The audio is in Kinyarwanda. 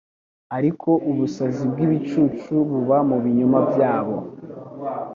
ariko ubusazi bw’ibicucu buba mu binyoma byabo